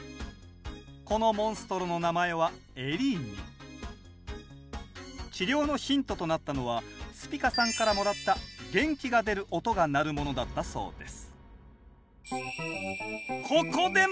このモンストロの名前は治療のヒントとなったのはスピカさんからもらった「元気が出る音」が鳴るものだったそうです